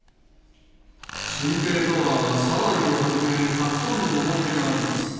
ちんぺいとは、サライをはじめ、たくさんの思い出があります。